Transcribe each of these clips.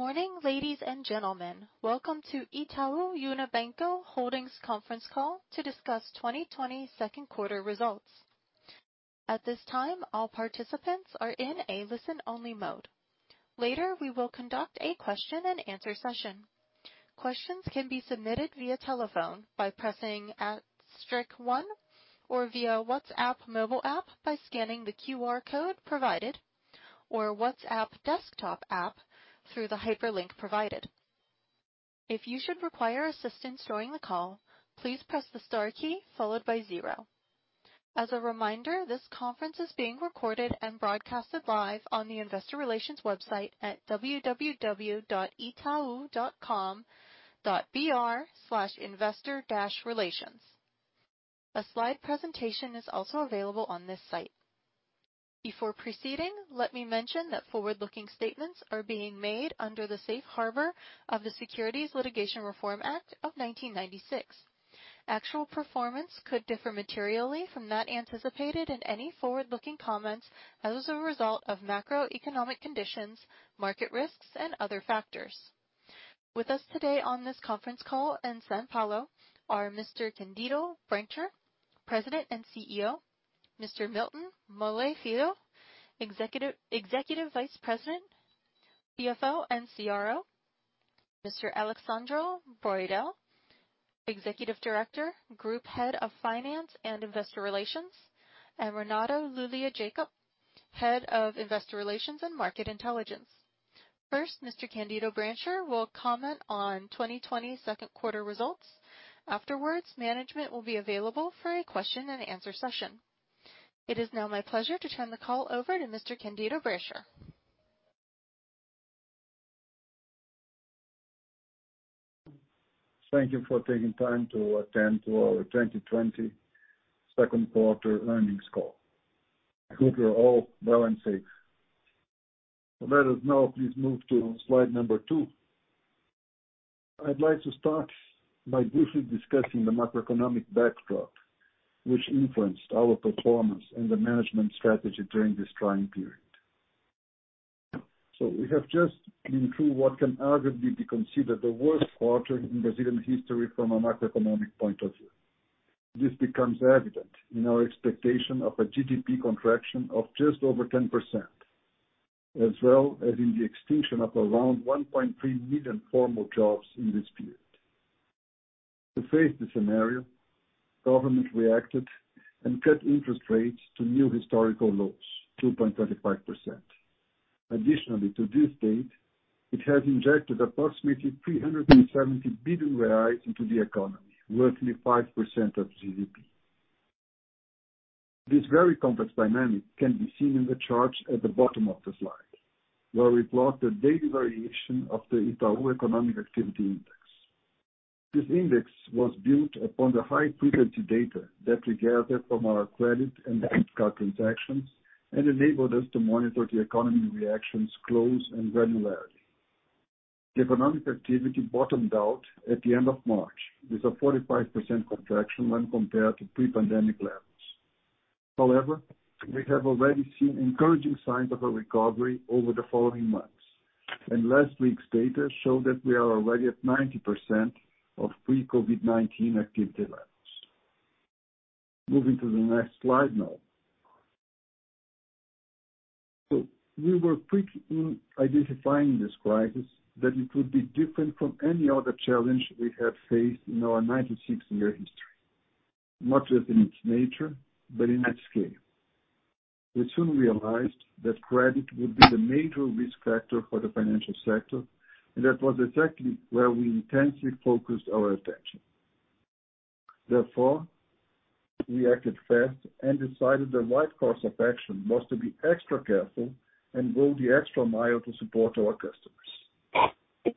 Good morning, ladies and gentlemen. Welcome to Itaú Unibanco Holding's conference call to discuss 2020 second quarter results. At this time, all participants are in a listen-only mode. Later, we will conduct a question-and-answer session. Questions can be submitted via telephone by pressing star one, or via WhatsApp mobile app by scanning the QR code provided, or WhatsApp desktop app through the hyperlink provided. If you should require assistance during the call, please press the star key followed by zero. As a reminder, this conference is being recorded and broadcasted live on the investor relations website at www.itau.com.br/investor-relations. A slide presentation is also available on this site. Before proceeding, let me mention that forward-looking statements are being made under the safe harbor of the Securities Litigation Reform Act of 1996. Actual performance could differ materially from that anticipated in any forward-looking comments as a result of macroeconomic conditions, market risks, and other factors. With us today on this conference call in São Paulo are Mr. Candido Bracher, President and CEO, Mr. Milton Maluhy Filho, Executive Vice President, CFO and CRO, Mr. Alexsandro Broedel, Executive Director, Group Head of Finance and Investor Relations, and Renato Lulia Jacob, Head of Investor Relations and Market Intelligence. First, Mr. Candido Bracher will comment on 2020 second quarter results. Afterwards, management will be available for a question-and-answer session. It is now my pleasure to turn the call over to Mr. Candido Bracher. Thank you for taking time to attend to our 2020 second quarter earnings call. I hope you're all well and safe. To let us know, please move to slide number two. I'd like to start by briefly discussing the macroeconomic backdrop which influenced our performance and the management strategy during this trying period. So we have just been through what can arguably be considered the worst quarter in Brazilian history from a macroeconomic point of view. This becomes evident in our expectation of a GDP contraction of just over 10%, as well as in the extinction of around 1.3 million formal jobs in this period. To face this scenario, government reacted and cut interest rates to new historical lows, 2.35%. Additionally, to this date, it has injected approximately 370 billion reais into the economy, roughly 5% of GDP. This very complex dynamic can be seen in the chart at the bottom of the slide, where we plot the daily variation of the Itaú Economic Activity Index. This index was built upon the high-frequency data that we gathered from our credit and credit card transactions and enabled us to monitor the economy reactions closely and granularly. The economic activity bottomed out at the end of March with a 45% contraction when compared to pre-pandemic levels. However, we have already seen encouraging signs of a recovery over the following months, and last week's data showed that we are already at 90% of pre-COVID-19 activity levels. Moving to the next slide now, so we were quick in identifying this crisis that it would be different from any other challenge we had faced in our 96-year history, not just in its nature, but in its scale. We soon realized that credit would be the major risk factor for the financial sector, and that was exactly where we intensely focused our attention. Therefore, we acted fast and decided the right course of action was to be extra careful and go the extra mile to support our customers.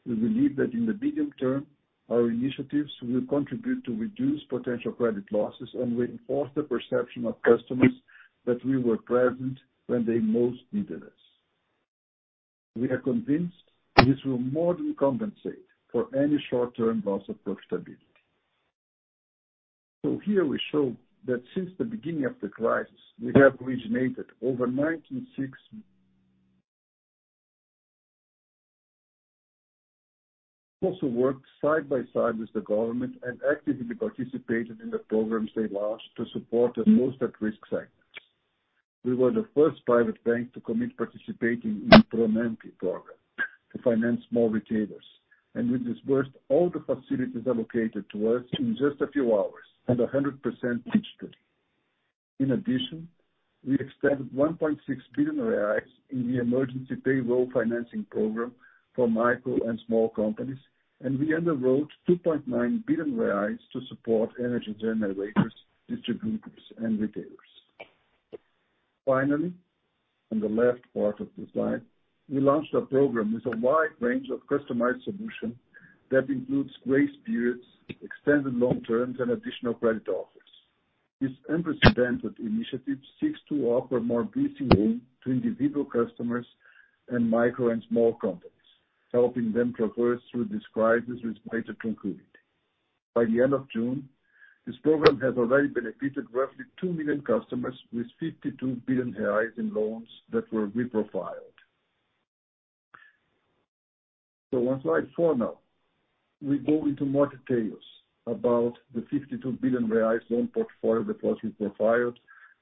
We believe that in the medium term, our initiatives will contribute to reduce potential credit losses and reinforce the perception of customers that we were present when they most needed us. We are convinced this will more than compensate for any short-term loss of profitability, so here we show that since the beginning of the crisis, we have originated over. We also worked side by side with the government and actively participated in the programs they launched to support the most at-risk sectors. We were the first private bank to commit to participating in Pronampe program to finance small retailers, and we disbursed all the facilities allocated to us in just a few hours and 100% digitally. In addition, we extended 1.6 billion reais in the emergency payroll financing program for micro and small companies, and we enrolled 2.9 billion reais to support energy generators, distributors, and retailers. Finally, on the left part of the slide, we launched a program with a wide range of customized solutions that includes grace periods, extended loan terms, and additional credit offers. This unprecedented initiative seeks to offer more breathing room to individual customers and micro and small companies, helping them traverse through this crisis with greater tranquility. By the end of June, this program has already benefited roughly 2 million customers with 52 billion reais in loans that were reprofiled. On slide four now, we go into more details about the 52 billion reais loan portfolio that was reprofiled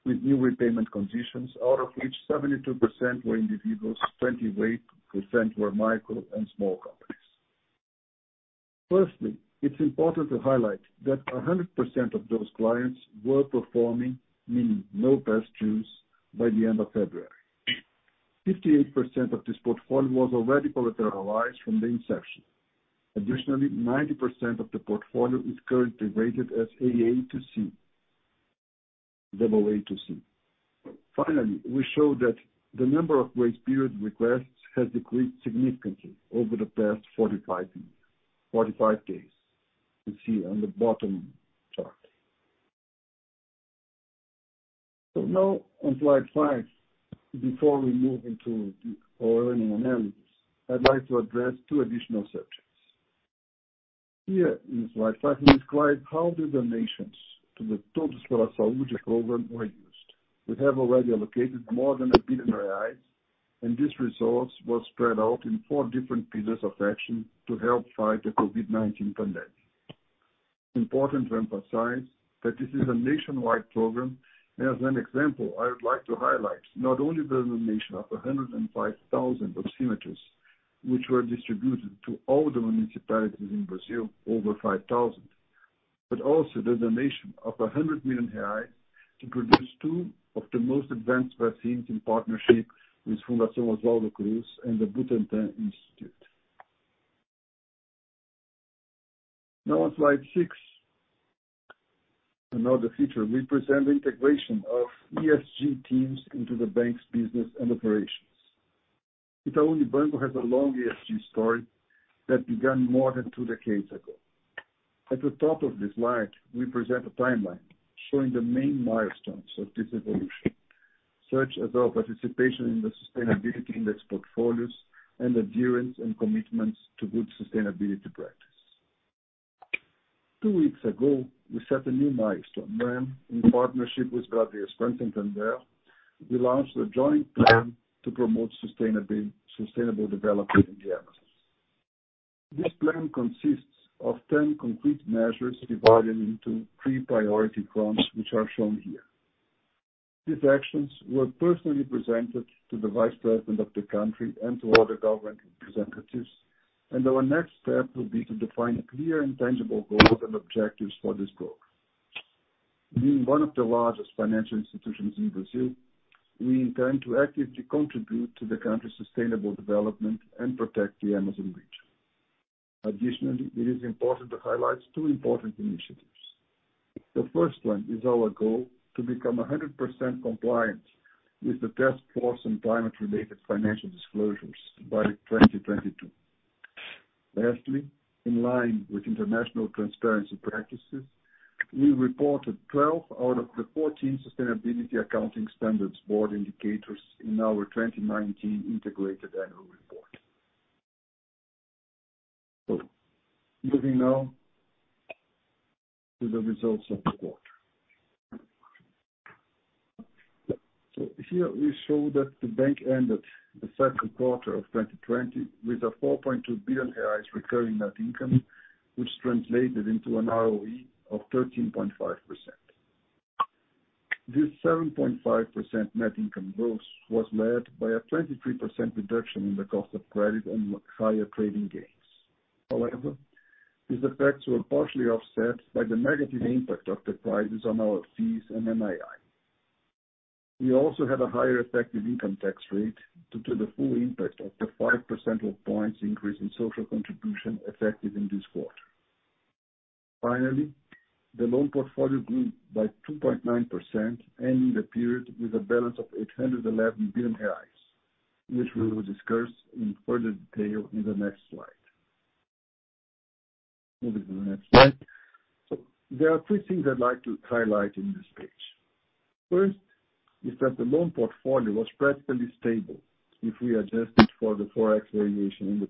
with new repayment conditions, out of which 72% were individuals, 28% were micro and small companies. Firstly, it's important to highlight that 100% of those clients were performing, meaning no past dues, by the end of February. 58% of this portfolio was already collateralized from the inception. Additionally, 90% of the portfolio is currently rated as AA to C, AA to C. Finally, we show that the number of grace period requests has decreased significantly over the past 45 days. You see on the bottom chart. Now, on slide five, before we move into our earnings analysis, I'd like to address two additional subjects. Here in slide five, we describe how the donations to the Todos pela Saúde program were used. We have already allocated more than 1 billion reais, and this resource was spread out in four different pillars of action to help fight the COVID-19 pandemic. It's important to emphasize that this is a nationwide program, and as an example, I would like to highlight not only the donation of 105,000 oximeters, which were distributed to all the municipalities in Brazil, over 5,000, but also the donation of 100 million reais to produce two of the most advanced vaccines in partnership with Fundação Oswaldo Cruz and the Instituto Butantan. Now, on slide six, another feature, we present the integration of ESG teams into the bank's business and operations. Itaú Unibanco has a long ESG story that began more than two decades ago. At the top of the slide, we present a timeline showing the main milestones of this evolution, such as our participation in the sustainability index portfolios and adherence and commitments to good sustainability practice. Two weeks ago, we set a new milestone when, in partnership with Bradesco and Santander, we launched a joint plan to promote sustainable development in the Amazon. This plan consists of 10 concrete measures divided into three priority fronts, which are shown here. These actions were personally presented to the Vice President of the country and to all the government representatives, and our next step will be to define clear and tangible goals and objectives for this program. Being one of the largest financial institutions in Brazil, we intend to actively contribute to the country's sustainable development and protect the Amazon region. Additionally, it is important to highlight two important initiatives. The first one is our goal to become 100% compliant with the Task Force on Climate-related Financial Disclosures by 2022. Lastly, in line with international transparency practices, we reported 12 out of the 14 Sustainability Accounting Standards Board indicators in our 2019 integrated annual report. Moving now to the results of the quarter. Here we show that the bank ended the second quarter of 2020 with 4.2 billion reais recurring net income, which translated into an ROE of 13.5%. This 7.5% net income growth was led by a 23% reduction in the cost of credit and higher trading gains. However, these effects were partially offset by the negative impact of the prices on our fees and NII. We also had a higher effective income tax rate due to the full impact of the 5 percentage points increase in social contribution effective in this quarter. Finally, the loan portfolio grew by 2.9%, ending the period with a balance of 811 billion reais, which we will discuss in further detail in the next slide. Moving to the next slide. So there are three things I'd like to highlight in this page. First is that the loan portfolio was practically stable if we adjusted for the forex variation in the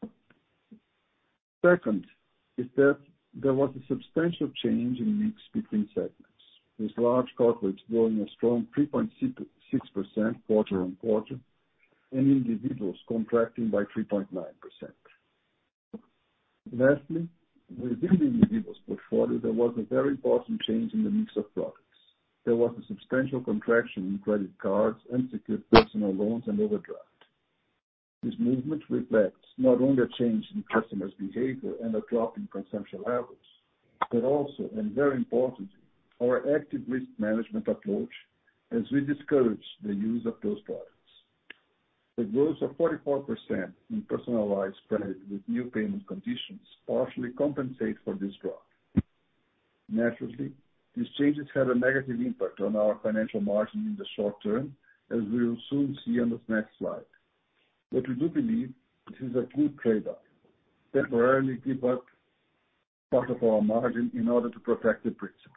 period. Second is that there was a substantial change in mix between segments, with large corporates growing a strong 3.6% quarter-on-quarter and individuals contracting by 3.9%. Lastly, within the individuals' portfolio, there was a very important change in the mix of products. There was a substantial contraction in credit cards and secured personal loans and overdraft. This movement reflects not only a change in customers' behavior and a drop in consumption levels, but also, and very importantly, our active risk management approach as we discouraged the use of those products. The growth of 44% in personalized credit with new payment conditions partially compensates for this drop. Naturally, these changes had a negative impact on our financial margin in the short term, as we will soon see on this next slide. But we do believe this is a good trade-off, temporarily giving up part of our margin in order to protect the principal.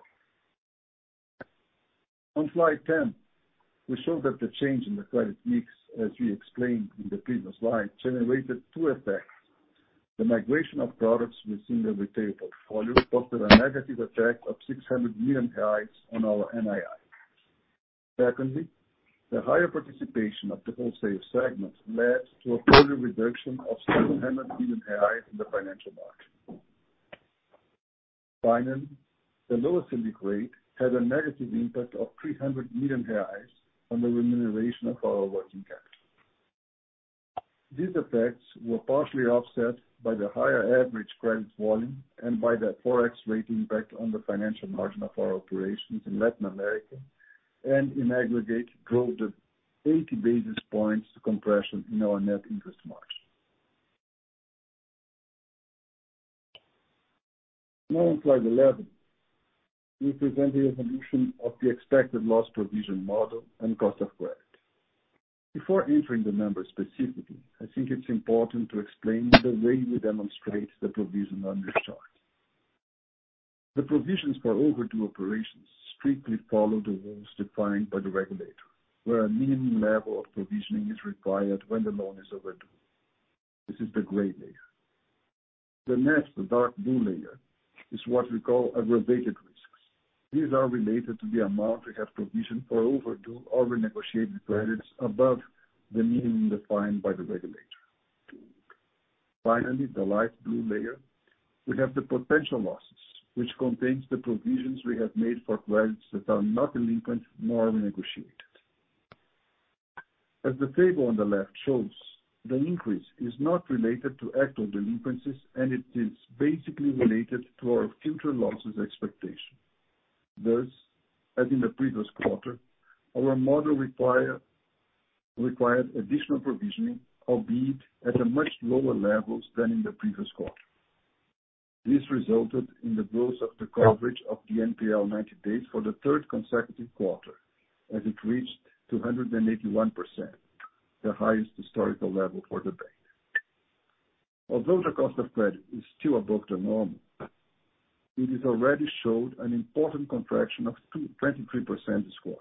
On slide 10, we show that the change in the credit mix, as we explained in the previous slide, generated two effects. The migration of products within the retail portfolio posted a negative effect of 600 million reais on our NII. Secondly, the higher participation of the wholesale segment led to a further reduction of 700 million in the financial market. Finally, the lowest rate had a negative impact of 300 million reais on the remuneration of our working capital. These effects were partially offset by the higher average credit volume and by the forex rate impact on the financial margin of our operations in Latin America and, in aggregate, drove the 80 basis points compression in our net interest margin. Now, on slide 11, we present the evolution of the expected loss provision model and cost of credit. Before entering the numbers specifically, I think it's important to explain the way we demonstrate the provision on this chart. The provisions for overdue operations strictly follow the rules defined by the regulator, where a minimum level of provisioning is required when the loan is overdue. This is the gray layer. The next, the dark blue layer, is what we call aggravated risks. These are related to the amount we have provisioned for overdue or renegotiated credits above the minimum defined by the regulator. Finally, the light blue layer, we have the potential losses, which contains the provisions we have made for credits that are not delinquent nor renegotiated. As the table on the left shows, the increase is not related to actual delinquencies, and it is basically related to our future losses expectation. Thus, as in the previous quarter, our model required additional provisioning, albeit at a much lower level than in the previous quarter. This resulted in the growth of the coverage of the NPL 90 days for the third consecutive quarter, as it reached 281%, the highest historical level for the bank. Although the cost of credit is still above the normal, it has already showed an important contraction of 23% this quarter.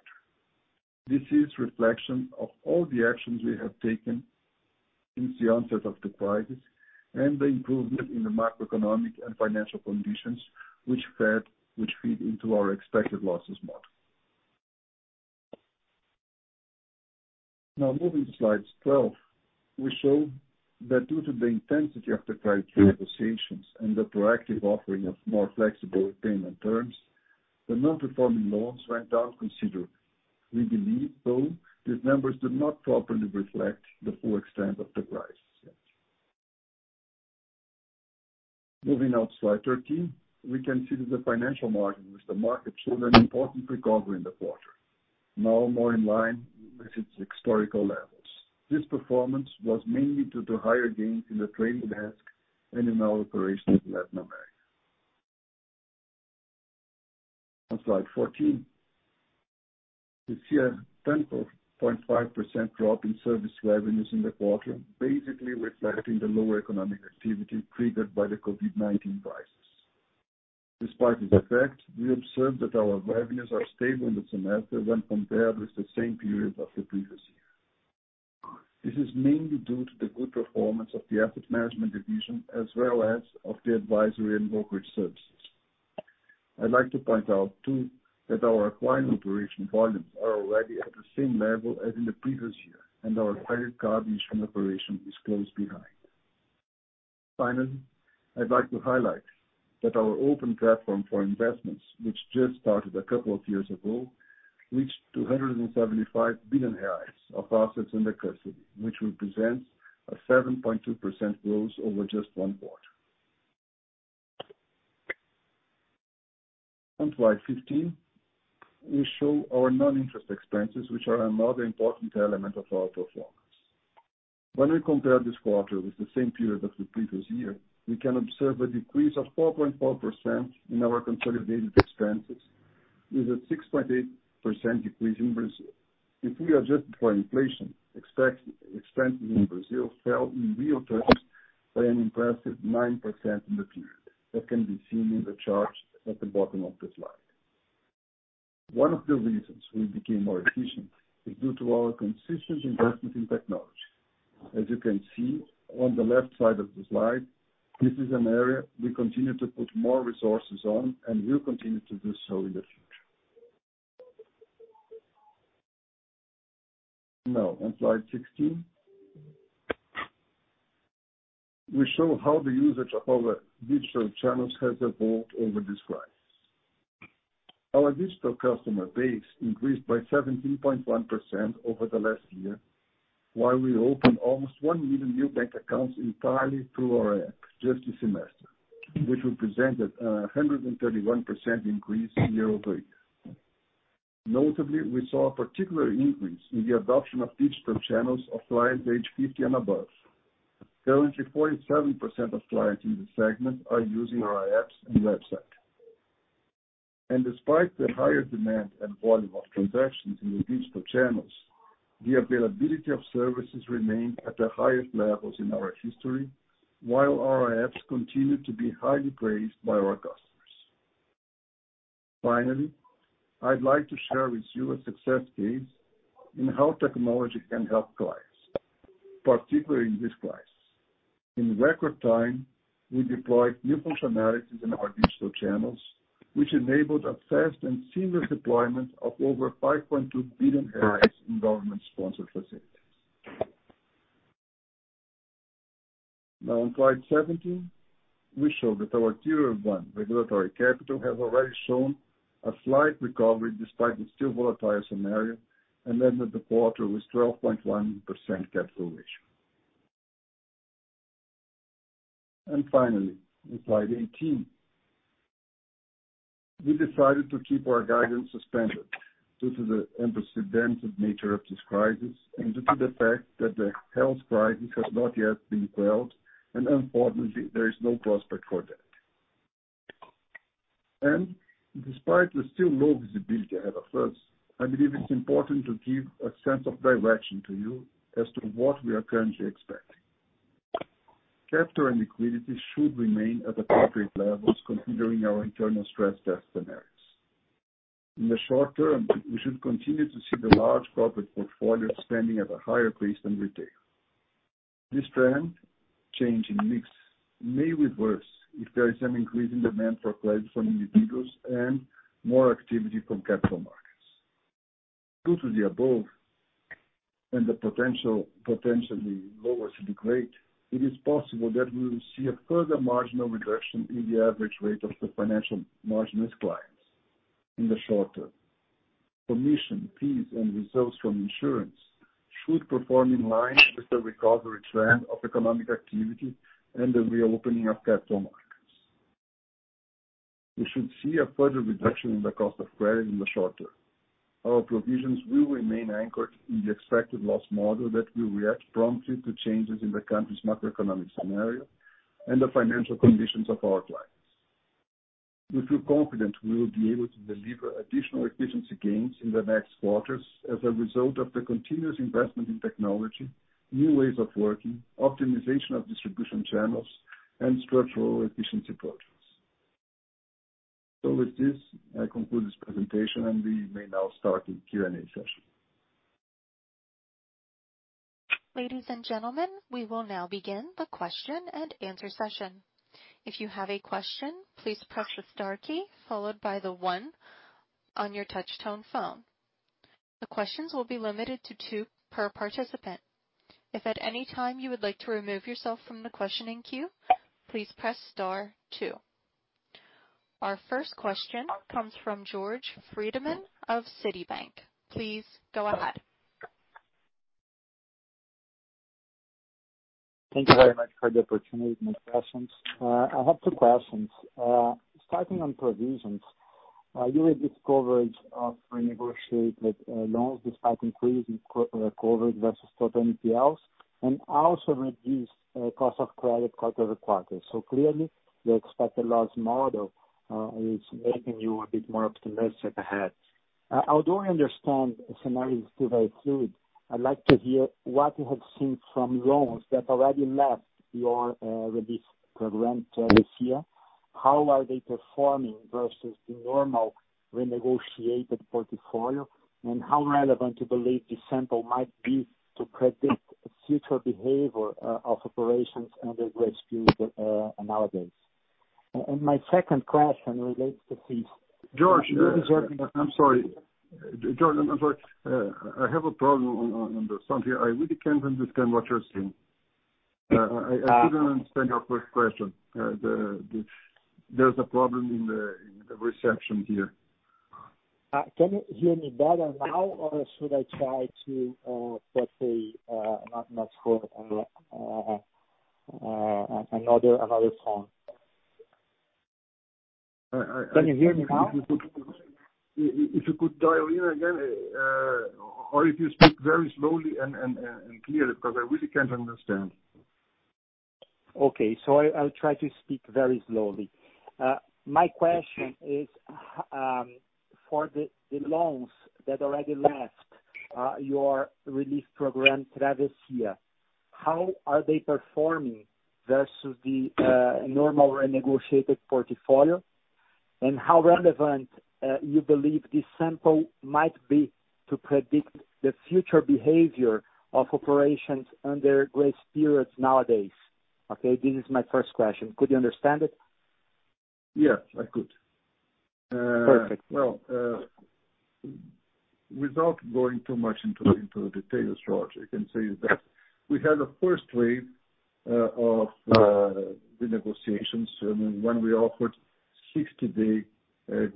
This is a reflection of all the actions we have taken since the onset of the crisis and the improvement in the macroeconomic and financial conditions, which feed into our expected losses model. Now, moving to slide 12, we show that due to the intensity of the credit renegotiations and the proactive offering of more flexible repayment terms, the non-performing loans went down considerably. We believe, though, these numbers do not properly reflect the full extent of the crisis. Moving out to slide 13, we can see that the financial margin with the market showed an important recovery in the quarter, now more in line with its historical levels. This performance was mainly due to higher gains in the trading desk and in our operations in Latin America. On slide 14, we see a 10.5% drop in service revenues in the quarter, basically reflecting the lower economic activity triggered by the COVID-19 crisis. Despite this effect, we observe that our revenues are stable in the semester when compared with the same period of the previous year. This is mainly due to the good performance of the asset management division, as well as of the advisory and brokerage services. I'd like to point out, too, that our acquiring operation volumes are already at the same level as in the previous year, and our credit card issuing operation is close behind. Finally, I'd like to highlight that our open platform for investments, which just started a couple of years ago, reached 275 billion reais of assets under custody, which represents a 7.2% growth over just one quarter. On slide 15, we show our non-interest expenses, which are another important element of our performance. When we compare this quarter with the same period of the previous year, we can observe a decrease of 4.4% in our consolidated expenses, with a 6.8% decrease in Brazil. If we adjust for inflation, expenses in Brazil fell, in real terms, by an impressive 9% in the period. That can be seen in the chart at the bottom of the slide. One of the reasons we became more efficient is due to our consistent investment in technology. As you can see on the left side of the slide, this is an area we continue to put more resources on and will continue to do so in the future. Now, on slide 16, we show how the usage of our digital channels has evolved over this crisis. Our digital customer base increased by 17.1% over the last year, while we opened almost 1 million new bank accounts entirely through our app just this semester, which represented a 131% increase year-over-year. Notably, we saw a particular increase in the adoption of digital channels of clients aged 50 and above. Currently, 47% of clients in the segment are using our apps and website. Despite the higher demand and volume of transactions in the digital channels, the availability of services remained at the highest levels in our history, while our apps continue to be highly praised by our customers. Finally, I'd like to share with you a success case in how technology can help clients, particularly in this crisis. In record time, we deployed new functionalities in our digital channels, which enabled a fast and seamless deployment of over 5.2 billion in government-sponsored facilities. Now, on slide 17, we show that our Tier 1 regulatory capital has already shown a slight recovery despite the still volatile scenario and ended the quarter with a 12.1% capital ratio, and finally, on slide 18, we decided to keep our guidance suspended due to the unprecedented nature of this crisis and due to the fact that the health crisis has not yet been quelled, and unfortunately, there is no prospect for that, and despite the still low visibility ahead of us, I believe it's important to give a sense of direction to you as to what we are currently expecting. Capital and liquidity should remain at appropriate levels, considering our internal stress test scenarios. In the short term, we should continue to see the large corporate portfolio expanding at a higher pace than retail. This trend, change in mix, may reverse if there is an increase in demand for credit from individuals and more activity from capital markets. Due to the above and the potentially lower CDI rate, it is possible that we will see a further marginal reduction in the average rate of the financial margin as clients in the short term. Commission, fees, and results from insurance should perform in line with the recovery trend of economic activity and the reopening of capital markets. We should see a further reduction in the cost of credit in the short term. Our provisions will remain anchored in the expected loss model that will react promptly to changes in the country's macroeconomic scenario and the financial conditions of our clients. We feel confident we will be able to deliver additional efficiency gains in the next quarters as a result of the continuous investment in technology, new ways of working, optimization of distribution channels, and structural efficiency projects. So with this, I conclude this presentation, and we may now start the Q&A session. Ladies and gentlemen, we will now begin the question and answer session. If you have a question, please press the star key followed by the one on your touch-tone phone. The questions will be limited to two per participant. If at any time you would like to remove yourself from the questioning queue, please press star two. Our first question comes from Jörg Friedemann of Citibank. Please go ahead. Thank you very much for the opportunity, my pleasure. I have two questions. Starting on provisions, you will discover renegotiated loans despite increasing coverage versus total NPLs and also reduced cost of credit quarter-to-quarter. So clearly, the expected loss model is making you a bit more optimistic ahead. Although I understand the scenario is still very fluid, I'd like to hear what you have seen from loans that already left your release program this year. How are they performing versus the normal renegotiated portfolio, and how relevant do you believe this sample might be to predict future behavior of operations under great scale nowadays? And my second question relates to fees. Jörg, you're deserving of, I'm sorry. Jörg, I'm sorry. I have a problem on the sound here. I really can't understand what you're saying. I couldn't understand your first question. There's a problem in the reception here. Can you hear me better now, or should I try to put a—not for another phone? Can you hear me now? If you could dial in again, or if you speak very slowly and clearly, because I really can't understand. Okay. So I'll try to speak very slowly. My question is, for the loans that already left your relief program Travessia, how are they performing versus the normal renegotiated portfolio, and how relevant you believe this sample might be to predict the future behavior of operations under grace periods nowadays? Okay? This is my first question. Could you understand it? Yes, I could. Perfect. Well, without going too much into the details, Jörg, I can say that we had a first wave of renegotiations when we offered 60-day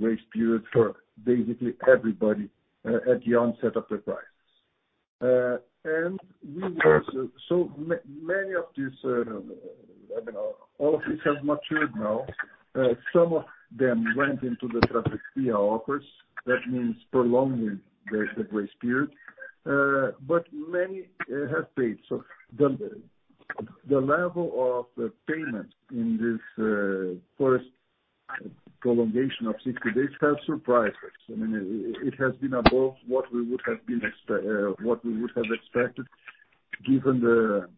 grace period for basically everybody at the onset of the crisis. And we were so many of these. I mean, all of these have matured now. Some of them went into the Travessia offers. That means prolonging the grace period. But many have paid. So the level of payment in this first prolongation of 60 days has surprised us. I mean, it has been above what we would have expected, given the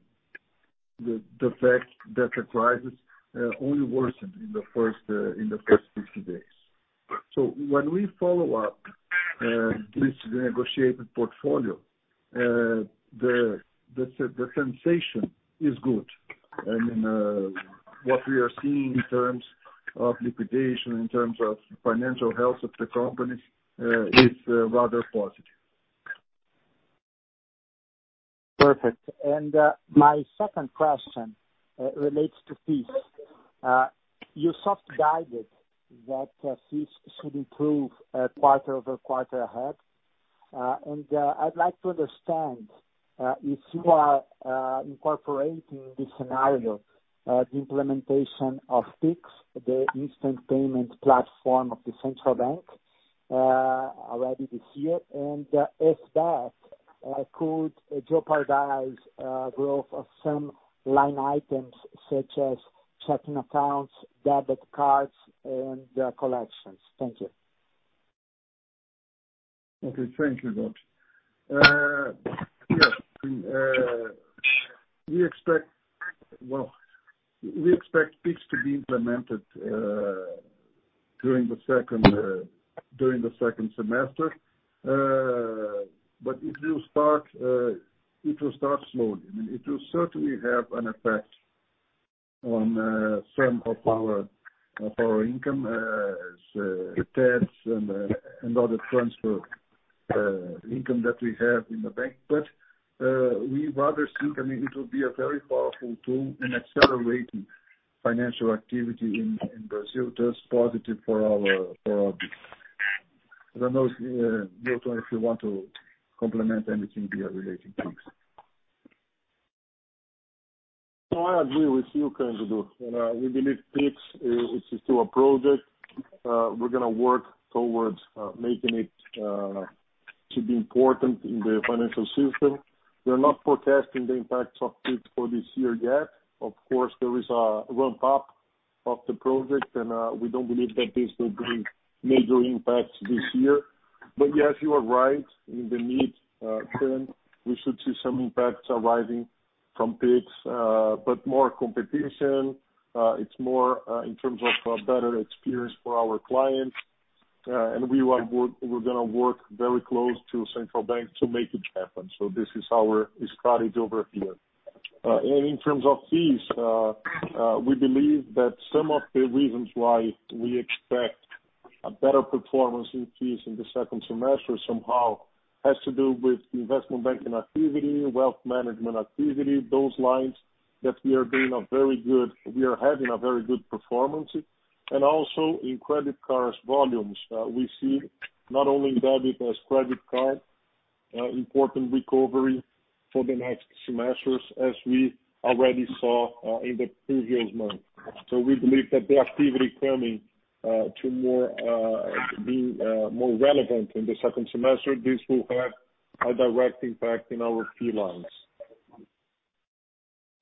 fact that the crisis only worsened in the first 60 days. So when we follow up this renegotiated portfolio, the sensation is good. I mean, what we are seeing in terms of liquidation, in terms of financial health of the companies, is rather positive. Perfect. And my second question relates to fees. You soft guided that fees should improve quarter-over-quarter ahead. I'd like to understand if you are incorporating this scenario, the implementation of Pix, the instant payment platform of the central bank, already this year, and if that could jeopardize growth of some line items such as checking accounts, debit cards, and collections. Thank you. Okay. Thank you, Jörg. Yes. We expect, well, we expect Pix to be implemented during the second semester. But if you start slowly, I mean, it will certainly have an effect on some of our income, as Pix and other transfer income that we have in the bank. But we rather think, I mean, it will be a very powerful tool in accelerating financial activity in Brazil. That's positive for our business. I don't know, Milton, if you want to comment anything here relating to Pix. No, I agree with you, Candido. We believe Pix, it's still a project. We're going to work towards making it to be important in the financial system. We're not forecasting the impact of Pix for this year yet. Of course, there is a ramp-up of the project, and we don't believe that this will bring major impacts this year. But yes, you are right. In the mid-term, we should see some impacts arising from Pix, but more competition. It's more in terms of a better experience for our clients. And we're going to work very close to central banks to make it happen. So this is our strategy over here. And in terms of fees, we believe that some of the reasons why we expect a better performance in fees in the second semester somehow has to do with investment banking activity, wealth management activity, those lines that we are having a very good performance. And also, in credit cards volumes, we see not only debit as credit card, important recovery for the next semesters, as we already saw in the previous month. So we believe that the activity coming to more relevant in the second semester, this will have a direct impact in our fee lines.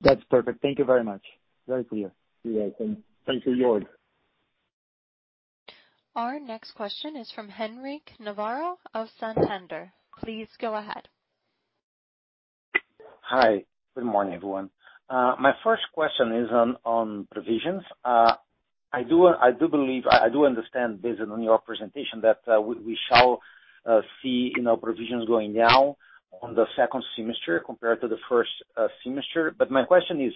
That's perfect. Thank you very much. Very clear. You're welcome. Thank you, Jörg. Our next question is from Henrique Navarro of Santander. Please go ahead. Hi. Good morning, everyone. My first question is on provisions. I do believe, I do understand based on your presentation that we shall see provisions going down on the second semester compared to the first semester. But my question is,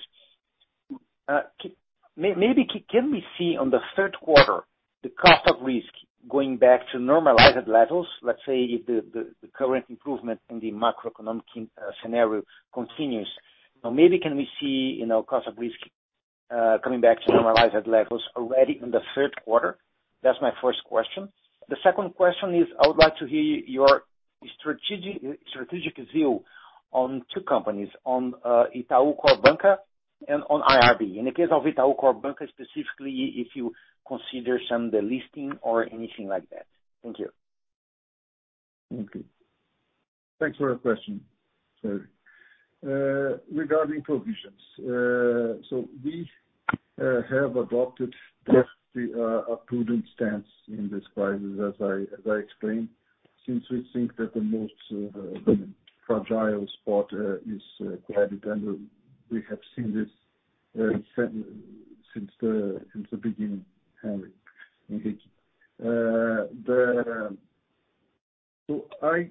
maybe can we see on the third quarter the cost of risk going back to normalized levels, let's say if the current improvement in the macroeconomic scenario continues? Maybe can we see cost of risk coming back to normalized levels already in the third quarter? That's my first question. The second question is, I would like to hear your strategic view on two companies, on Itaú Corpbanca and on IRB. In the case of Itaú Corpbanca, specifically, if you consider some of the listing or anything like that. Thank you. Thank you. Thanks for the question. Sorry. Regarding provisions, so we have adopted a prudent stance in this crisis, as I explained, since we think that the most fragile spot is credit. And we have seen this since the beginning, Henrique. So I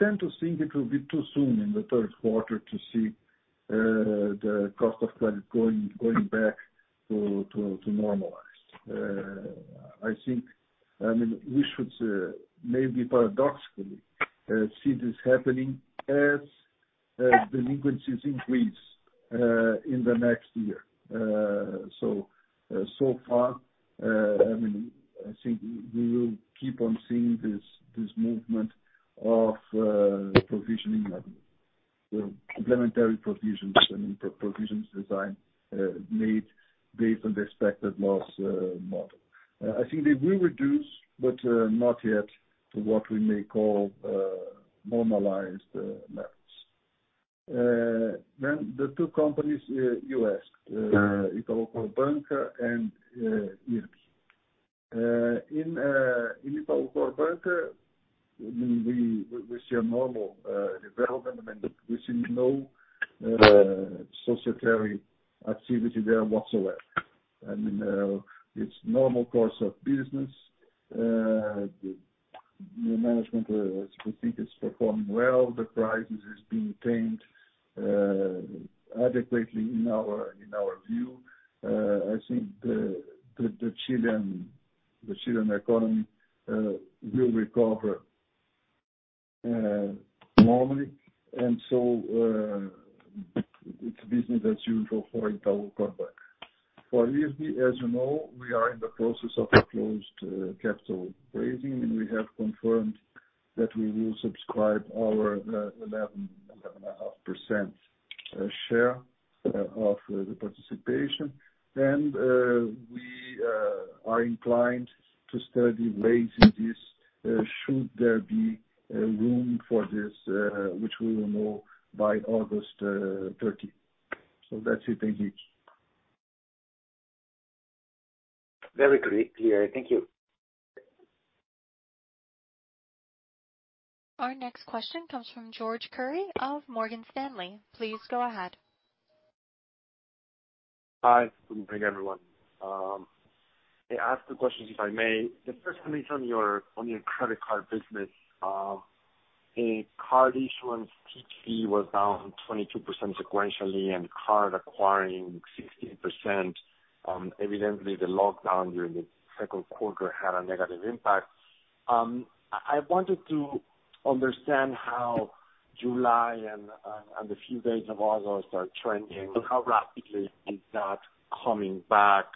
tend to think it will be too soon in the third quarter to see the cost of credit going back to normalized. I think, I mean, we should maybe paradoxically see this happening as delinquencies increase in the next year. So far, I mean, I think we will keep on seeing this movement of provisioning, implementar provisions, I mean, provisions design made based on the expected loss model. I think they will reduce, but not yet to what we may call normalized levels. Then the two companies you asked, Itaú Corpbanca and IRB. In Itaú Corpbanca, I mean, we see a normal development. I mean, we see no corporate activity there whatsoever. I mean, it's normal course of business. The management, I think, is performing well. The prices are being paid adequately in our view. I think the Chilean economy will recover normally. And so it's business as usual for Itaú Corpbanca. For IRB, as you know, we are in the process of a closed capital raising. I mean, we have confirmed that we will subscribe our 11.5% share of the participation. We are inclined to study ways in this should there be room for this, which we will know by August 30. So that's it. Thank you. Very clear. Thank you. Our next question comes from Jorge Kuri of Morgan Stanley. Please go ahead. Hi. Good morning, everyone. I'll ask the questions, if I may. The first, can we turn your credit card business? Card issuance fee was down 22% sequentially, and card acquiring 16%. Evidently, the lockdown during the second quarter had a negative impact. I wanted to understand how July and the few days of August are trending, and how rapidly is that coming back?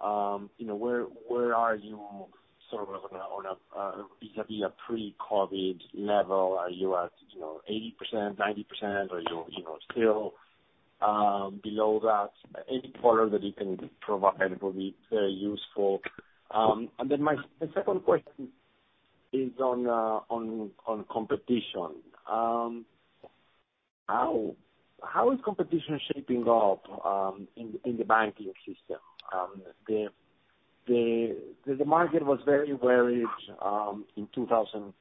Where are you sort of on a vis-à-vis a pre-COVID level? Are you at 80%, 90%? Are you still below that? Any color that you can provide will be very useful. And then my second question is on competition. How is competition shaping up in the banking system? The market was very worried in 2017,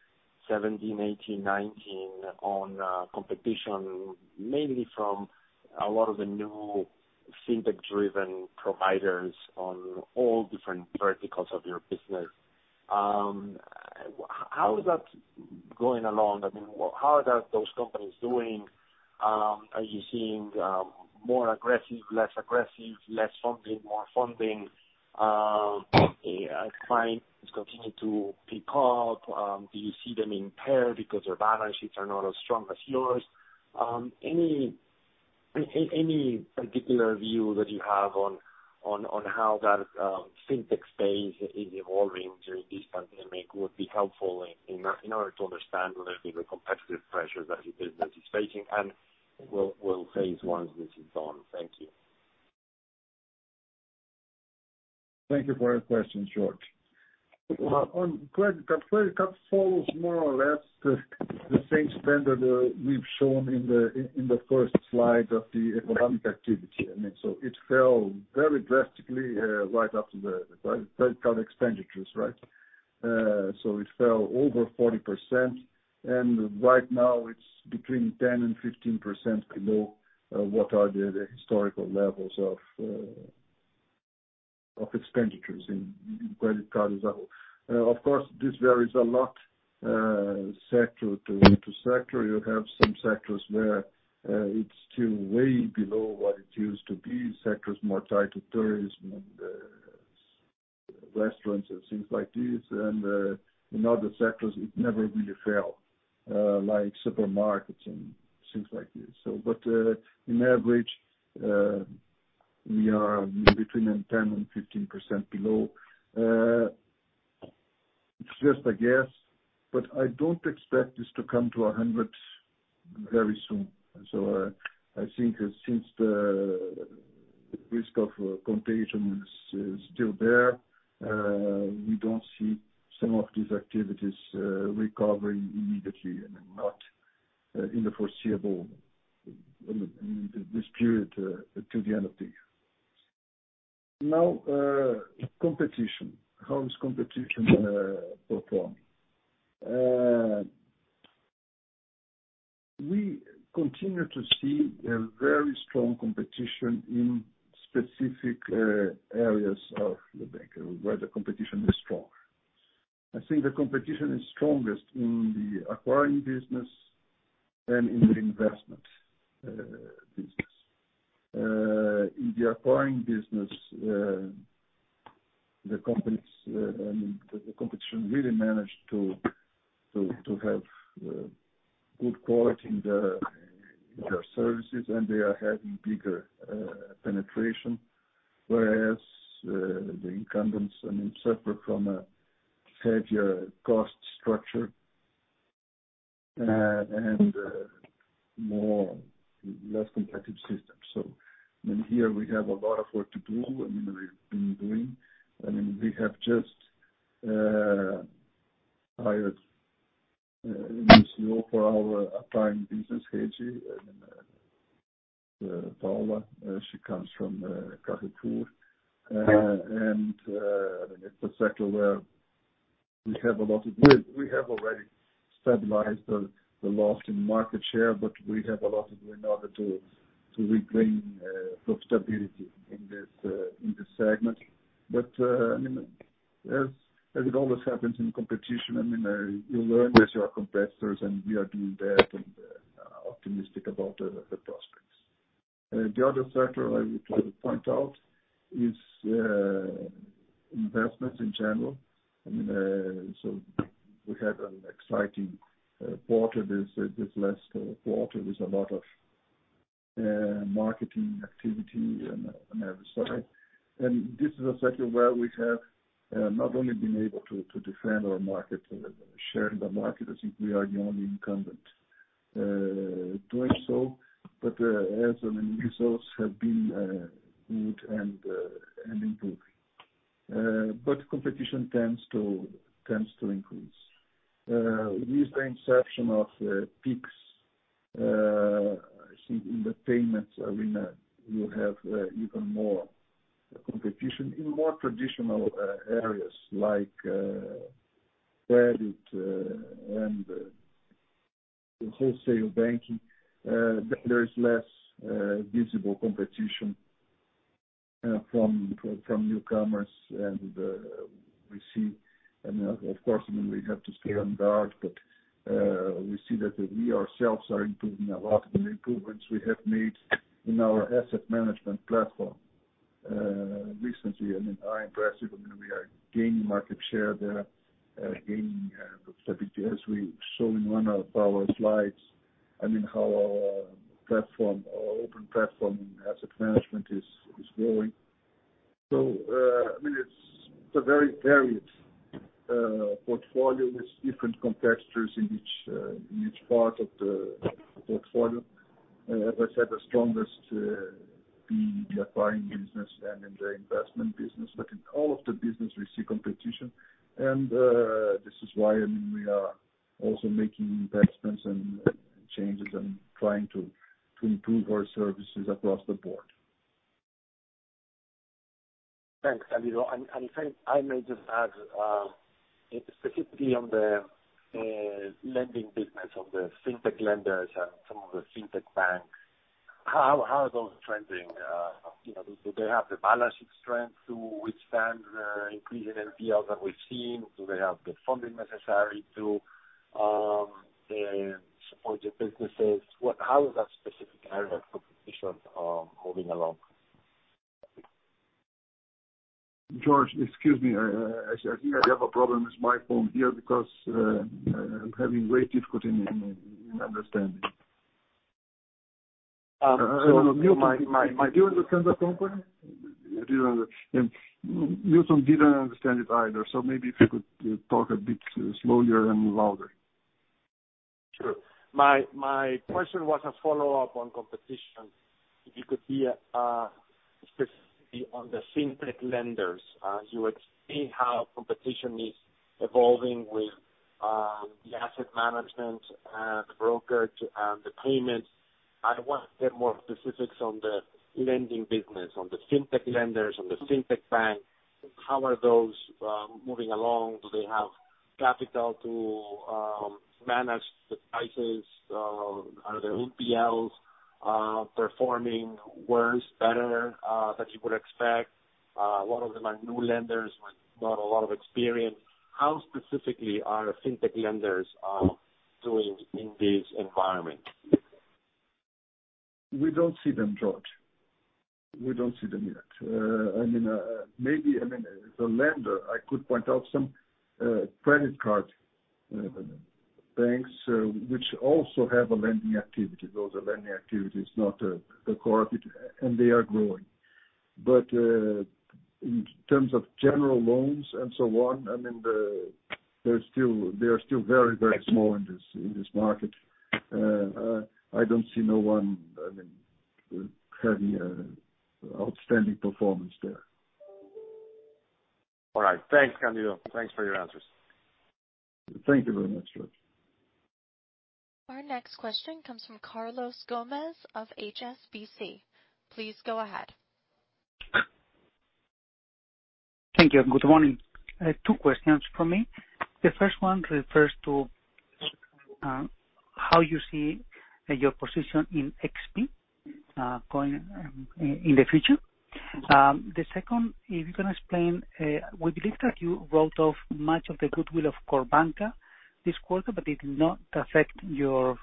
2018, 2019 on competition, mainly from a lot of the new fintech-driven providers on all different verticals of your business. How is that going along? I mean, how are those companies doing? Are you seeing more aggressive, less aggressive, less funding, more funding? Are clients continuing to pick up? Do you see them in peril because their balance sheets are not as strong as yours? Any particular view that you have on how that fintech space is evolving during this pandemic would be helpful in order to understand a little bit of the competitive pressure that the business is facing and will face once this is done. Thank you. Thank you for your question, Jorge. The credit card follows more or less the same spend that we've shown in the first slide of the economic activity. I mean, so it fell very drastically right after the credit card expenditures, right, so it fell over 40%. And right now, it's between 10% to 15% below what are the historical levels of expenditures in credit cards. Of course, this varies a lot sector to sector. You have some sectors where it's still way below what it used to be, sectors more tied to tourism and restaurants and things like this, and in other sectors, it never really fell, like supermarkets and things like this, but on average, we are between 10% to 15% below. It's just a guess, but I don't expect this to come to 100% very soon. I think since the risk of contagion is still there, we don't see some of these activities recovering immediately and not in the foreseeable, I mean, this period to the end of the year. Now, competition. How is competition performing? We continue to see very strong competition in specific areas of the banking where the competition is stronger. I think the competition is strongest in the acquiring business and in the investment business. In the acquiring business, the companies' competition really managed to have good quality in their services, and they are having bigger penetration, whereas the incumbents suffer from a heavier cost structure and less competitive systems. So here, we have a lot of work to do. I mean, we've been doing. I mean, we have just hired a CEO for our acquiring business, Paula. She comes from [Carrefour]. I mean, it's a sector where we have a lot of. We have already stabilized the loss in market share, but we have a lot to do in order to regain stability in this segment. I mean, as it always happens in competition, I mean, you learn with your competitors, and we are doing that and optimistic about the prospects. The other sector I would point out is investments in general. I mean, so we had an exciting quarter. This last quarter, there's a lot of marketing activity on every side. And this is a sector where we have not only been able to defend our market share in the market. I think we are the only incumbent doing so. But as results have been good and improving, competition tends to increase. With the inception of Pix I think in the payments arena, you have even more competition in more traditional areas like credit and wholesale banking. There is less visible competition from newcomers, and we see, and of course, I mean, we have to stay on guard. But we see that we ourselves are improving a lot in the improvements we have made in our asset management platform recently. I mean, I'm impressed. I mean, we are gaining market share there, gaining stability, as we show in one of our slides. I mean, how our open platform asset management is growing. So I mean, it's a very varied portfolio with different competitors in each part of the portfolio. As I said, the strongest being the acquiring business and in the investment business. But in all of the business, we see competition. This is why, I mean, we are also making investments and changes and trying to improve our services across the board. Thanks, Candido. I may just add, specifically on the lending business of the fintech lenders and some of the fintech banks, how are those trending? Do they have the balance sheet strength to withstand increasing NPLs that we've seen? Do they have the funding necessary to support their businesses? How is that specific area of competition moving along? Jorge, excuse me. I think I have a problem with my phone here because I'm having great difficulty in understanding. So you're talking about. Do you understand the company? I didn't understand. Milton didn't understand it either. Maybe if you could talk a bit slowly and louder. Sure. My question was a follow-up on competition. If you could be specific on the fintech lenders, you would see how competition is evolving with the asset management, the brokers, and the payments. I wanted more specifics on the lending business, on the fintech lenders, on the fintech bank. How are those moving along? Do they have capital to manage the prices? Are the NPLs performing worse, better than you would expect? A lot of them are new lenders with not a lot of experience. How specifically are fintech lenders doing in this environment? We don't see them, Jorge. We don't see them yet. I mean, maybe the lender, I could point out some credit card banks, which also have a lending activity. Those are lending activities, not the corporate, and they are growing. But in terms of general loans and so on, I mean, they are still very, very small in this market. I don't see no one, I mean, having outstanding performance there. All right. Thanks, Candido. Thanks for your answers. Thank you very much, Jorge. Our next question comes from Carlos Gomez of HSBC. Please go ahead. Thank you. Good morning. Two questions for me. The first one refers to how you see your position in XP in the future. The second, if you can explain, we believe that you wrote off much of the goodwill of Corpbanca this quarter, but it did not affect your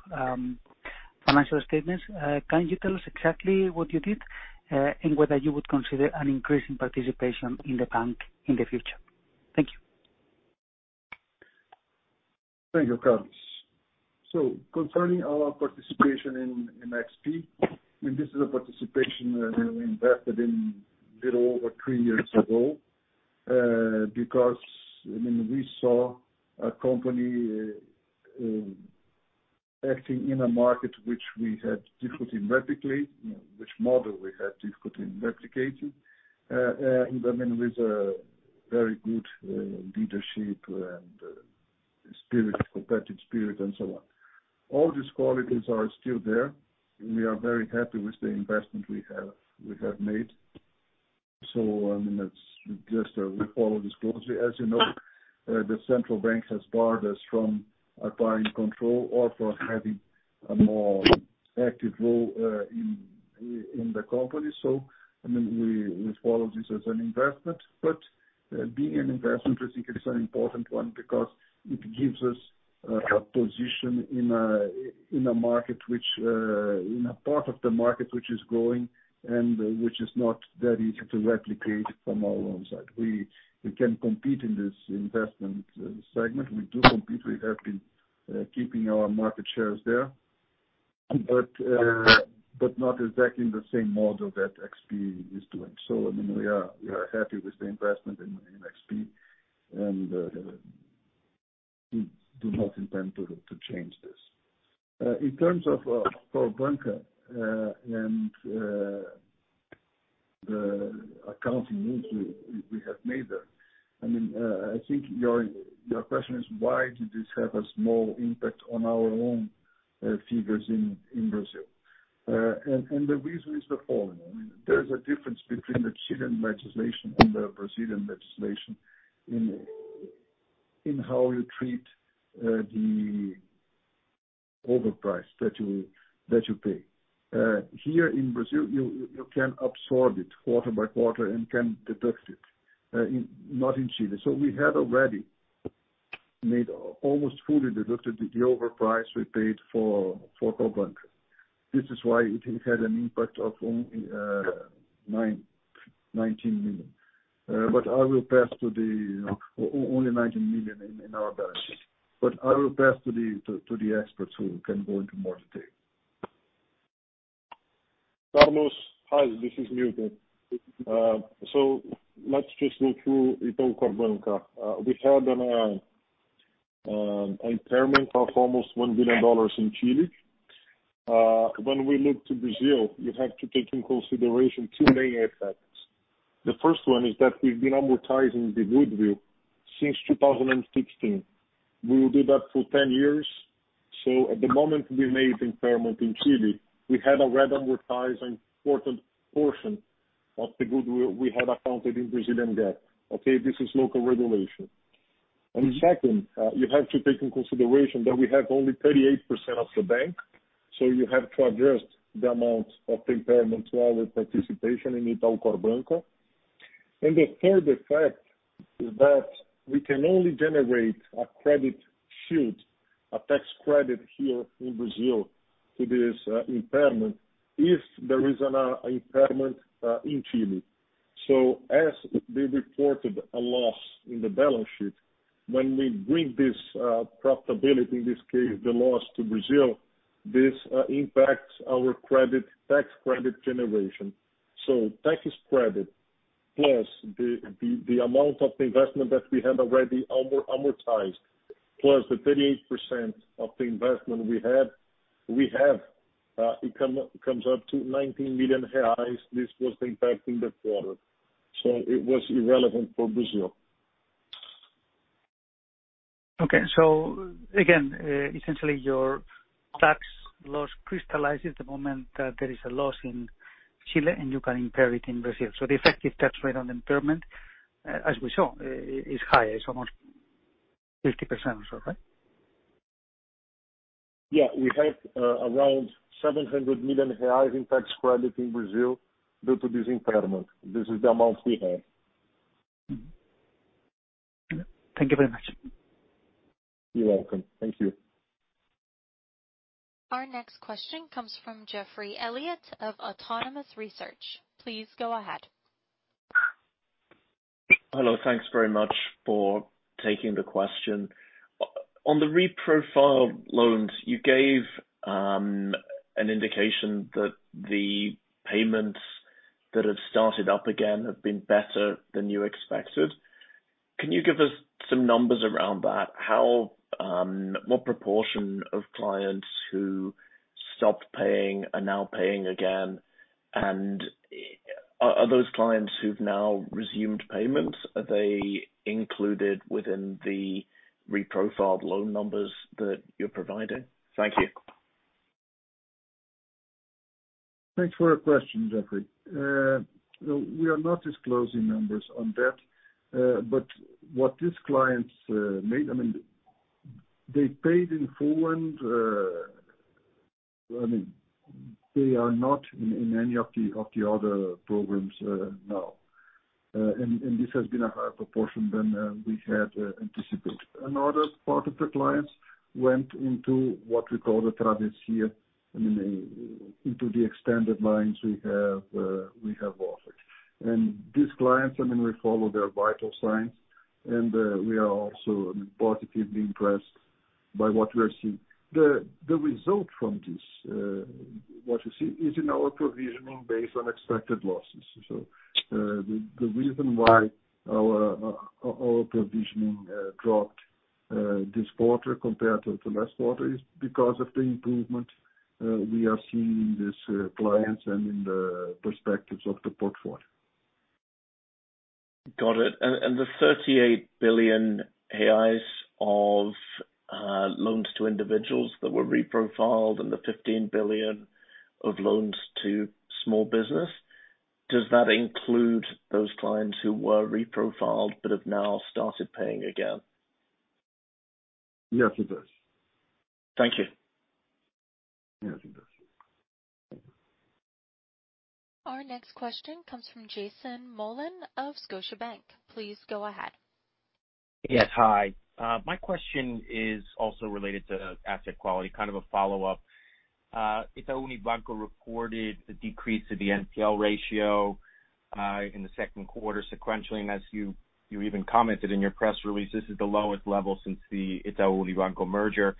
financial statements. Can you tell us exactly what you did and whether you would consider an increase in participation in the bank in the future? Thank you. Thank you, Carlos. So concerning our participation in XP, I mean, this is a participation we invested in a little over three years ago because, I mean, we saw a company acting in a market which we had difficulty in replicating, which model we had difficulty in replicating. And I mean, with very good leadership and competitive spirit and so on. All these qualities are still there. We are very happy with the investment we have made. So I mean, we follow this closely. As you know, the central bank has barred us from acquiring control or from having a more active role in the company. So I mean, we follow this as an investment. But being an investment is an important one because it gives us a position in a market, in a part of the market which is growing and which is not that easy to replicate from our own side. We can compete in this investment segment. We do compete. We have been keeping our market shares there, but not exactly in the same model that XP is doing. So I mean, we are happy with the investment in XP and do not intend to change this. In terms of Corpbanca and the accounting moves we have made, I mean, I think your question is, why did this have a small impact on our own figures in Brazil? And the reason is the following. There's a difference between the Chilean legislation and the Brazilian legislation in how you treat the overprice that you pay. Here in Brazil, you can absorb it quarter by quarter and can deduct it, not in Chile. So we had already made almost fully deducted the overprice we paid for Corpbanca. This is why it had an impact of 19 million. But I will pass to the only 19 million in our balance sheet. But I will pass to the experts who can go into more detail. Carlos hi, this is Milton. So let's just go through it on Corpbanca. We had an impairment of almost $1 billion in Chile. When we look to Brazil, you have to take into consideration two main effects. The first one is that we've been amortizing the goodwill since 2016. We will do that for 10 years. So at the moment we made impairment in Chile, we had already amortized an important portion of the goodwill we had accounted in Brazilian debts. Okay? This is local regulation. And second, you have to take into consideration that we have only 38% of the bank. So you have to address the amount of impairment to our participation in it on Corpbanca. The third effect is that we can only generate a credit shield, a tax credit here in Brazil to this impairment if there is an impairment in Chile. As they reported a loss in the balance sheet, when we bring this profitability, in this case, the loss to Brazil, this impacts our tax credit generation. Tax credit plus the amount of investment that we had already amortized plus the 38% of the investment we have, it comes up to 19 million reais. This was the impact in the quarter. It was irrelevant for Brazil. Okay. Essentially, your tax loss crystallizes the moment that there is a loss in Chile and you can impair it in Brazil. The effective tax rate on the impairment, as we saw, is higher. It's almost 50% or so, right? Yeah. We have around 700 million reais in tax credit in Brazil due to this impairment. This is the amount we have. Thank you very much. You're welcome. Thank you. Our next question comes from Geoffrey Elliott of Autonomous Research. Please go ahead. Hello. Thanks very much for taking the question. On the reprofiled loans, you gave an indication that the payments that have started up again have been better than you expected. Can you give us some numbers around that? What proportion of clients who stopped paying are now paying again? And are those clients who've now resumed payments, are they included within the reprofiled loan numbers that you're providing? Thank you. Thanks for your question, Geoffrey. We are not disclosing numbers on debt. But what these clients made, I mean, they paid in full and I mean, they are not in any of the other programs now. And this has been a higher proportion than we had anticipated. Another part of the clients went into what we call the Travessia, I mean, into the extended lines we have offered. And these clients, I mean, we follow their vital signs. And we are also positively impressed by what we are seeing. The result from this, what you see, is in our provisioning based on expected losses. So the reason why our provisioning dropped this quarter compared to the last quarter is because of the improvement we are seeing in these clients and in the perspectives of the portfolio. Got it. And the 38 billion reais of loans to individuals that were reprofiled and the 15 billion of loans to small business, does that include those clients who were reprofiled but have now started paying again? Yes, it does. Thank you. Yes, it does. Our next question comes from Jason Mollin of Scotiabank. Please go ahead. Yes. Hi. My question is also related to asset quality, kind of a follow-up. Itaú Unibanco reported a decrease in the NPL ratio in the second quarter sequentially. And as you even commented in your press release, this is the lowest level since the Itaú Unibanco merger.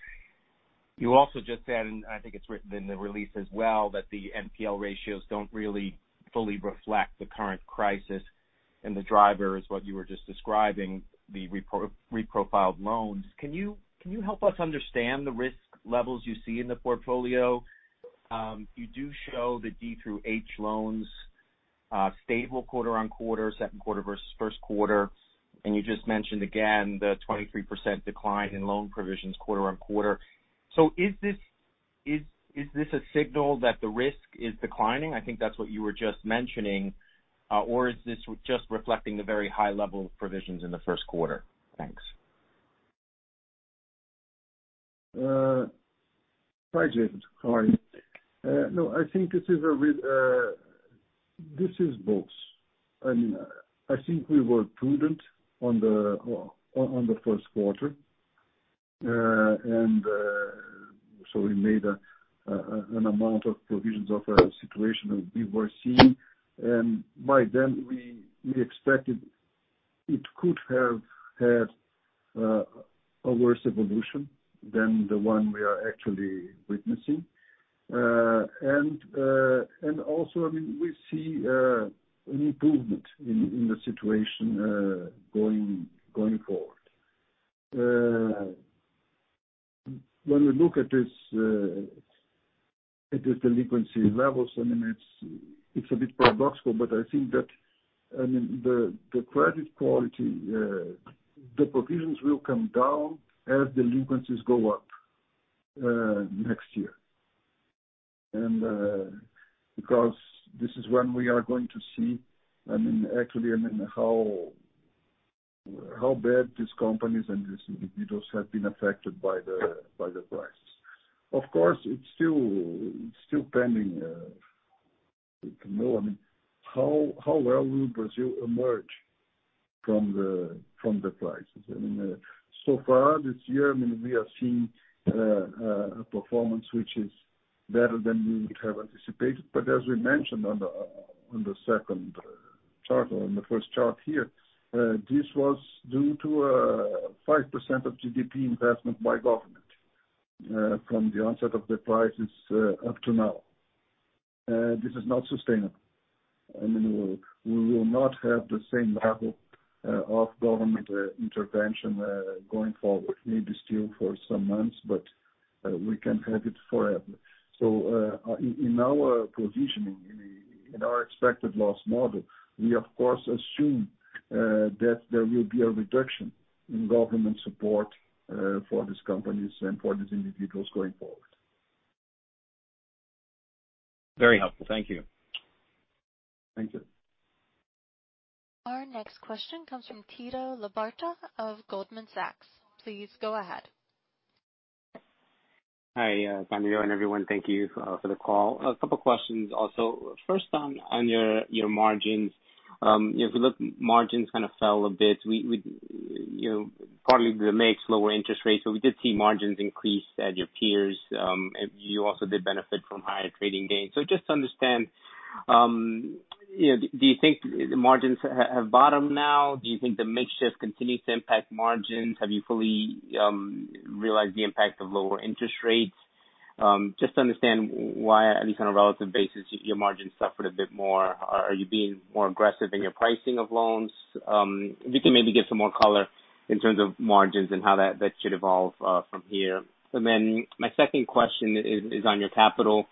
You also just said, and I think it's written in the release as well, that the NPL ratios don't really fully reflect the current crisis. And the driver is what you were just describing, the reprofiled loans. Can you help us understand the risk levels you see in the portfolio? You do show the D through H loans stable quarter-on-quarter, second quarter versus first quarter. And you just mentioned again the 23% decline in loan provisions quarter-on-quarter. So is this a signal that the risk is declining? I think that's what you were just mentioning. Or is this just reflecting the very high level of provisions in the first quarter? Thanks. Hi, Jason. Sorry. No, I think this is both. I mean, I think we were prudent on the first quarter. And so we made an amount of provisions of a situation we were seeing. And by then, we expected it could have had a worse evolution than the one we are actually witnessing. And also, I mean, we see an improvement in the situation going forward. When we look at this delinquency levels, I mean, it's a bit paradoxical, but I think that, I mean, the credit quality, the provisions will come down as delinquencies go up next year. Because this is when we are going to see, I mean, actually, I mean, how bad these companies and these individuals have been affected by the price. Of course, it's still pending to know, I mean, how well will Brazil emerge from the crisis. I mean, so far this year, I mean, we are seeing a performance which is better than we would have anticipated. But as we mentioned on the second chart or on the first chart here, this was due to 5% of GDP investment by government from the onset of the crisis up to now. This is not sustainable. I mean, we will not have the same level of government intervention going forward. Maybe still for some months, but we can have it forever. In our provisioning, in our expected loss model, we, of course, assume that there will be a reduction in government support for these companies and for these individuals going forward. Very helpful. Thank you. Thank you. Our next question comes from Tito Labarta of Goldman Sachs. Please go ahead. Hi, to you and everyone. Thank you for the call. A couple of questions also. First, on your margins, if we look, margins kind of fell a bit. Partly, the mix lower interest rates. So we did see margins increase at your peers. You also did benefit from higher trading gains. So just to understand, do you think the margins have bottomed now? Do you think the mix shift continues to impact margins? Have you fully realized the impact of lower interest rates? Just to understand why, at least on a relative basis, your margins suffered a bit more. Are you being more aggressive in your pricing of loans? If you can maybe give some more color in terms of margins and how that should evolve from here. And then my second question is on your capital.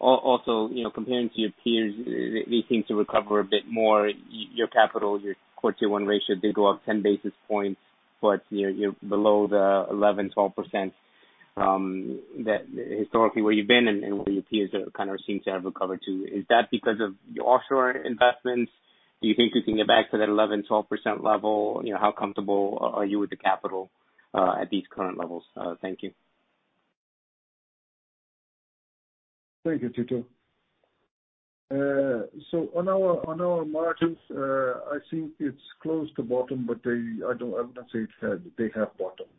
Also, comparing to your peers, they seem to recover a bit more. Your capital Tier 1 ratio, did go up 10 basis points, but you're below the 11% to 12% historically where you've been and where your peers kind of seem to have recovered to. Is that because of your offshore investments? Do you think you can get back to that 11% to 12% level? How comfortable are you with the capital at these current levels? Thank you. Thank you, Tito. So on our margins, I think it's close to bottom, but I wouldn't say they have bottomed.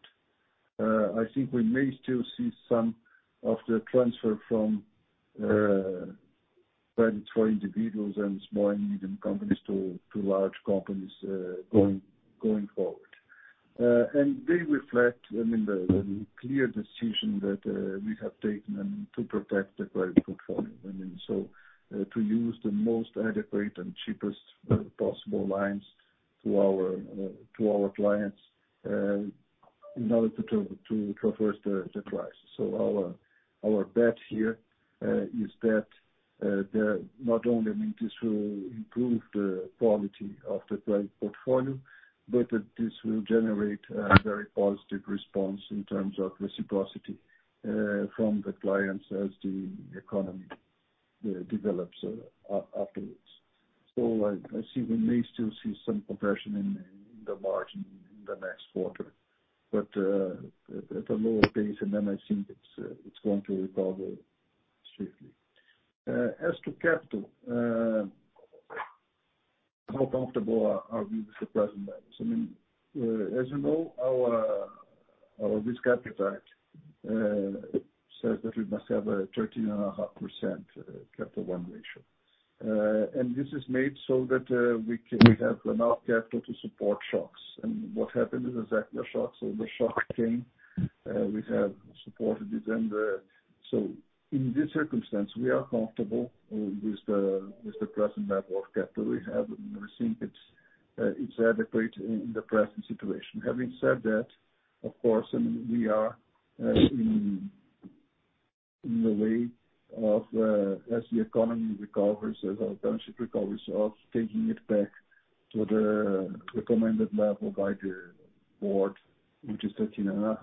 I think we may still see some of the transfer from credit for individuals and small and medium companies to large companies going forward. And they reflect, I mean, the clear decision that we have taken to protect the credit portfolio. I mean, so to use the most adequate and cheapest possible lines to our clients in order to traverse the crisis. So our bet here is that not only, I mean, this will improve the quality of the credit portfolio, but this will generate a very positive response in terms of reciprocity from the clients as the economy develops afterwards. So I see we may still see some compression in the margin in the next quarter, but at a lower pace. And then I think it's going to recover safely. As to capital, how comfortable are we with the present levels? I mean, as you know, our risk appetite says that we must have a 13.5% capital 1 ratio. This is made so that we have enough capital to support shocks. What happened is exactly the shocks. The shocks came. We have supported it. In this circumstance, we are comfortable with the present level of capital we have. We think it's adequate in the present situation. Having said that, of course, I mean, we are in the way of, as the economy recovers, as our balance sheet recovers, of taking it back to the recommended level by the board, which is 13.5%.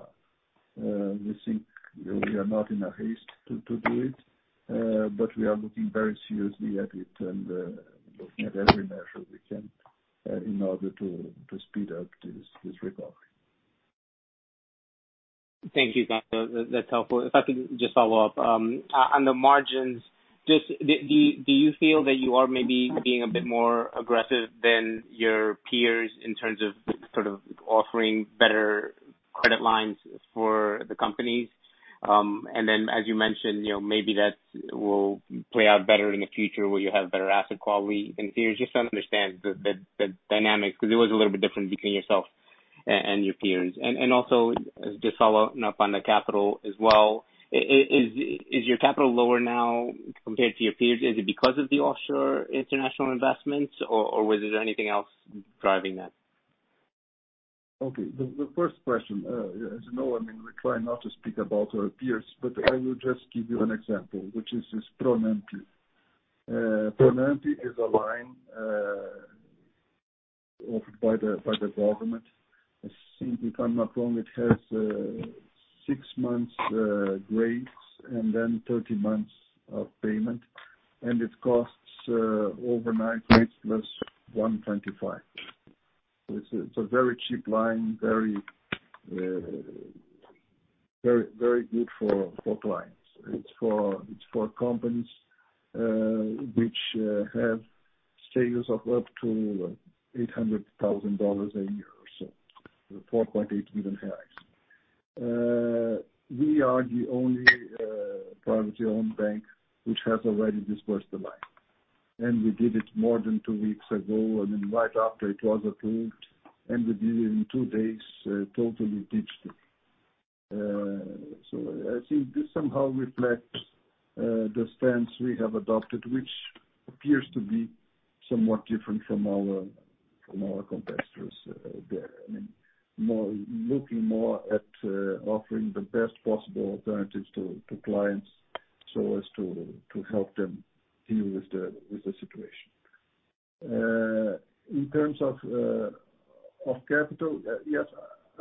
We think we are not in a haste to do it, but we are looking very seriously at it and looking at every measure we can in order to speed up this recovery. Thank you, Candido. That's helpful. If I could just follow up. On the margins, do you feel that you are maybe being a bit more aggressive than your peers in terms of sort of offering better credit lines for the companies? And then, as you mentioned, maybe that will play out better in the future where you have better asset quality in theory. Just to understand the dynamics, because it was a little bit different between yourself and your peers. And also, just following up on the capital as well, is your capital lower now compared to your peers? Is it because of the offshore international investments, or was there anything else driving that? Okay. The first question, as you know, I mean, we try not to speak about our peers, but I will just give you an example, which is this Pronampe. Pronampe is a line offered by the government. I think, if I'm not wrong, it has six months' grace and then 30 months of payment. And it costs overnight rates plus 1.25. So it's a very cheap line, very good for clients. It's for companies which have savings of up to $800,000 a year or so, 4.8 million. We are the only privately owned bank which has already disbursed the line. And we did it more than two weeks ago, I mean, right after it was approved. And we did it in two days totally digitally. So I think this somehow reflects the stance we have adopted, which appears to be somewhat different from our competitors there. I mean, looking more at offering the best possible alternatives to clients so as to help them deal with the situation. In terms of capital, yes,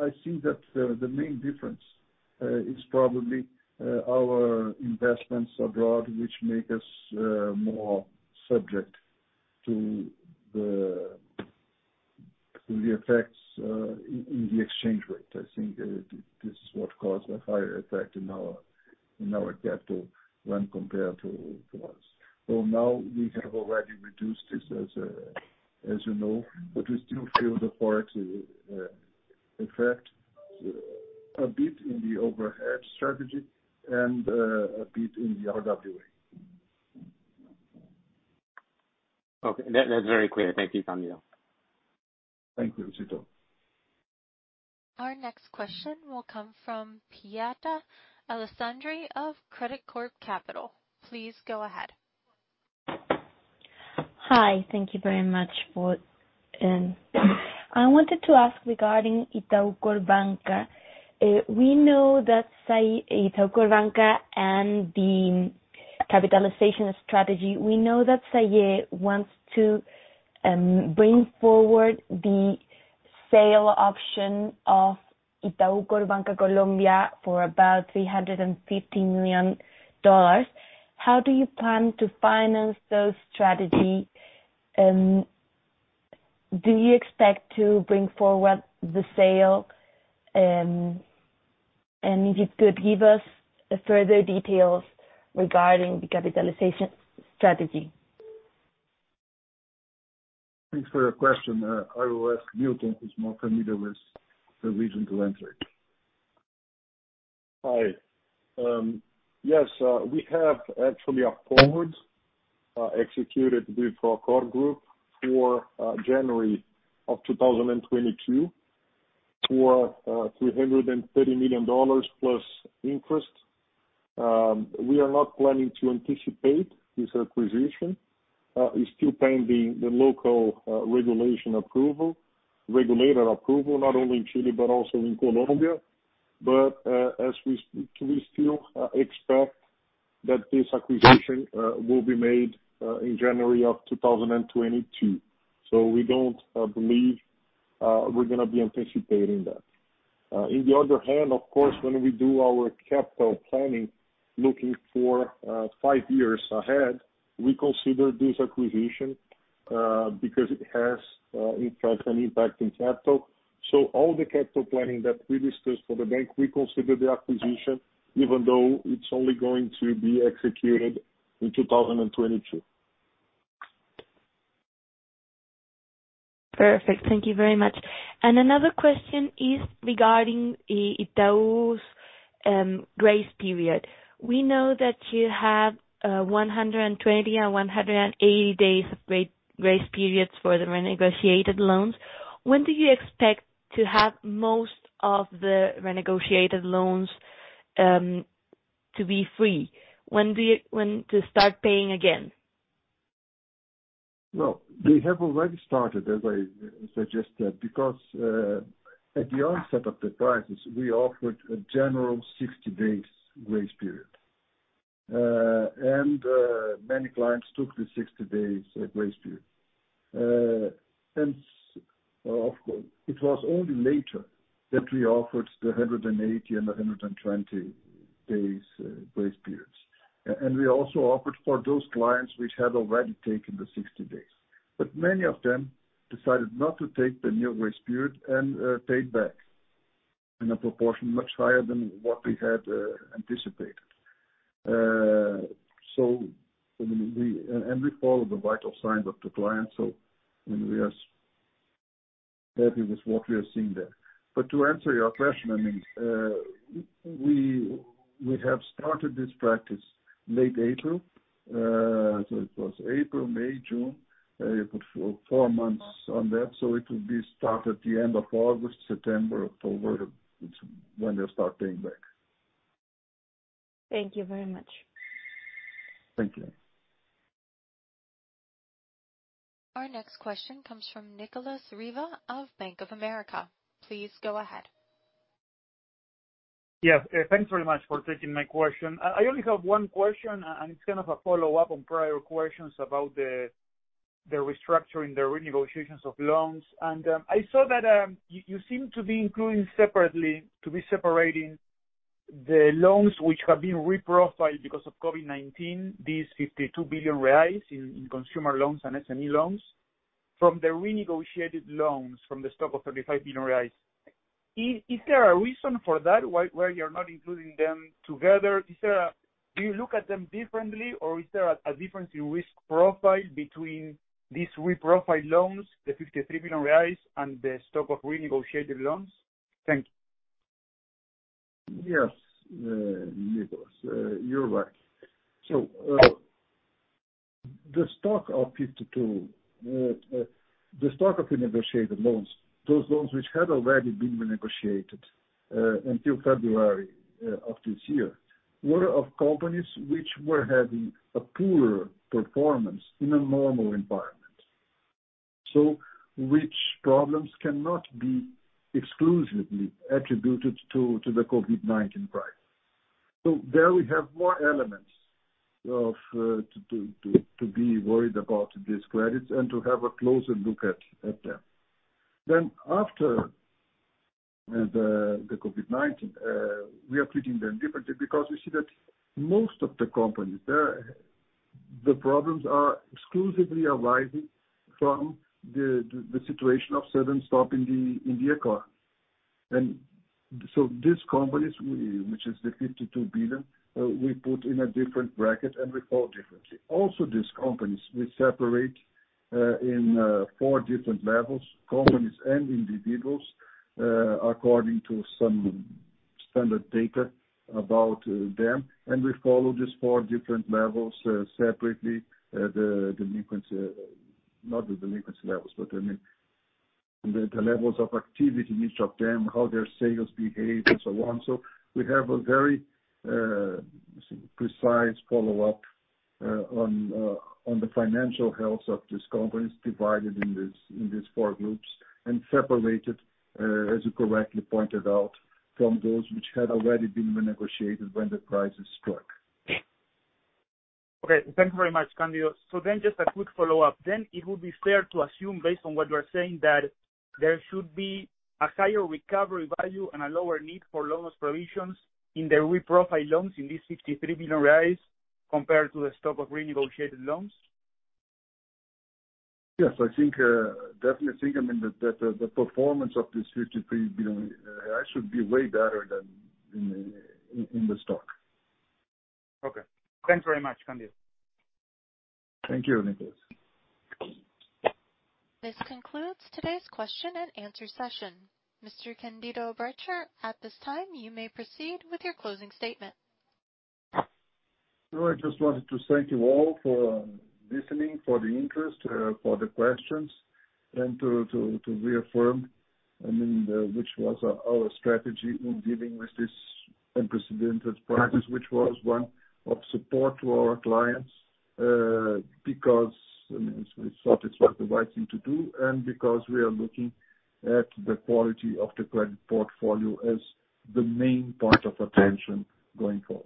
I think that the main difference is probably our investments abroad, which make us more subject to the effects in the exchange rate. I think this is what caused the higher effect in our capital when compared to us. So now we have already reduced this, as you know, but we still feel the forex effect a bit in the overhedge strategy and a bit in the RWA. Okay. That's very clear. Thank you, Candido. Thank you, Tito. Our next question will come from Piedad Alessandri of Credicorp Capital. Please go ahead. Hi. Thank you very much. I wanted to ask regarding Itaú Corpbanca. We know that Itaú Corpbanca and the capitalization strategy, we know that Saieh wants to bring forward the sale option of Itaú Corpbanca Colombia for about $350 million. How do you plan to finance those strategies? Do you expect to bring forward the sale? And if you could give us further details regarding the capitalization strategy. Thanks for your question. I will ask Milton, who's more familiar with the reason to enter. Hi. Yes, we have actually a forward executed with our CorpGroup for January of 2022 for $330 million plus interest. We are not planning to anticipate this acquisition. It's still pending the local regulator approval, not only in Chile but also in Colombia. But we still expect that this acquisition will be made in January of 2022. So we don't believe we're going to be anticipating that. On the other hand, of course, when we do our capital planning, looking for five years ahead, we consider this acquisition because it has, in fact, an impact in capital. All the capital planning that we discussed for the bank, we consider the acquisition, even though it's only going to be executed in 2022. Perfect. Thank you very much. Another question is regarding Itaú's grace period. We know that you have 120 and 180 days of grace periods for the renegotiated loans. When do you expect to have most of the renegotiated loans to be free? When to start paying again? They have already started, as I suggested, because at the onset of the crisis, we offered a general 60-day grace period. And many clients took the 60-day grace period. And of course, it was only later that we offered the 180 and 120 days grace periods. And we also offered for those clients which had already taken the 60 days. But many of them decided not to take the new grace period and paid back in a proportion much higher than what we had anticipated. So we follow the vital signs of the clients. So we are happy with what we are seeing there. But to answer your question, I mean, we have started this practice late April. So it was April, May, June. We put four months on that. So it will be started at the end of August, September, October, when they start paying back. Thank you very much. Thank you. Our next question comes from Nicolas Riva of Bank of America. Please go ahead. Yes. Thanks very much for taking my question. I only have one question, and it's kind of a follow-up on prior questions about the restructuring, the renegotiations of loans. I saw that you seem to be including separately to be separating the loans which have been reprofiled because of COVID-19, these 52 billion reais in consumer loans and SME loans, from the renegotiated loans from the stock of 35 billion reais. Is there a reason for that, why you're not including them together? Do you look at them differently, or is there a difference in risk profile between these reprofiled loans, the 53 billion reais, and the stock of renegotiated loans? Thank you. Yes, Nicolas, you're right. The stock of 52, the stock of renegotiated loans, those loans which had already been renegotiated until February of this year, were of companies which were having a poorer performance in a normal environment, which problems cannot be exclusively attributed to the COVID-19 crisis. There we have more elements to be worried about these credits and to have a closer look at them. After the COVID-19, we are treating them differently because we see that most of the companies, the problems are exclusively arising from the situation of sudden stop in the economy. These companies, which is the 52 billion, we put in a different bracket and we fall differently. Also, these companies, we separate in four different levels, companies and individuals according to some standard data about them. We follow these four different levels separately, not the delinquency levels, but I mean, the levels of activity in each of them, how their sales behave, and so on. We have a very precise follow-up on the financial health of these companies divided in these four groups and separated, as you correctly pointed out, from those which had already been renegotiated when the crisis struck. Okay. Thank you very much, Candido. Then just a quick follow-up. It would be fair to assume, based on what you are saying, that there should be a higher recovery value and a lower need for loan provisions in the reprofiled loans in these 53 billion reais compared to the stock of renegotiated loans? Yes. I think, definitely think, I mean, that the performance of this 53 billion should be way better than in the stock. Okay. Thanks very much, Candido. Thank you, Nicolas. This concludes today's question and answer session. Mr. Candido Bracher, at this time, you may proceed with your closing statement. No, I just wanted to thank you all for listening, for the interest, for the questions, and to reaffirm, I mean, which was our strategy in dealing with this unprecedented crisis, which was one of support to our clients because we thought it was the right thing to do and because we are looking at the quality of the credit portfolio as the main point of attention going forward.